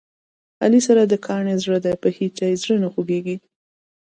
علي سره د کاڼي زړه دی، په هیچا یې زړه نه خوګېږي.